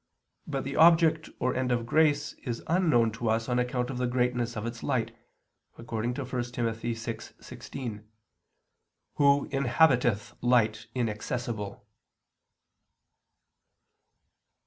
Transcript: But the object or end of grace is unknown to us on account of the greatness of its light, according to 1 Tim. 6:16: "Who ... inhabiteth light inaccessible."